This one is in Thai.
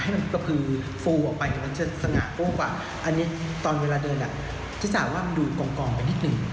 ให้มันกระพือฟูออกไปเดี๋ยวมันจะสง่ากว้างกว่าอันนี้ตอนเวลาเดินอ่ะศีรษะว่ามันดูกองไปนิดหนึ่ง